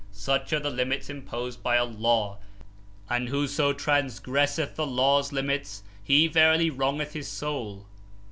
Such are the limits (imposed by) Allah; and whoso transgresseth Allah's limits, he verily wrongeth his soul.